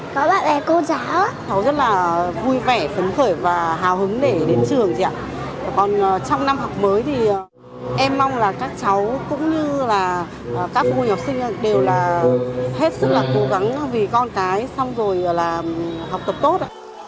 các cô học sinh đều là hết sức là cố gắng vì con cái xong rồi là học tập tốt